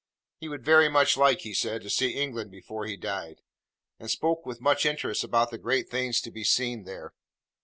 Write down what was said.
He would very much like, he said, to see England before he died; and spoke with much interest about the great things to be seen there.